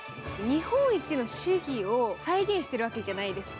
日本一の手技を再現しているわけじゃないですか。